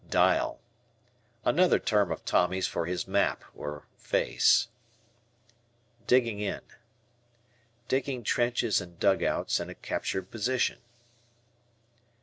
"Dial." Another term of Tommy's for his map, or face. "Digging in." Digging trenches and dugouts in a captured position.